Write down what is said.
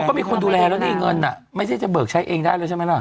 บางคนดูแลรถได้เงินไม่ได้เบิร์กจะใช้ได้หรอ